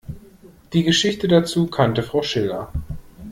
Die Geschichte dazu kannte Frau Schiller.